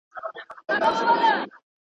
په دعا لاسونه پورته کړه اسمان ته.